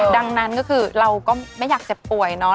ดังนั้นก็คือเราก็ไม่อยากเจ็บป่วยเนาะ